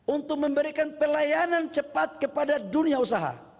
untuk memberikan pelayanan cepat kepada dunia usaha